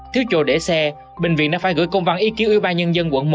thiếu chỗ để xe bệnh viện đã phải gửi công văn ý kiếu ưu ba nhân dân quận một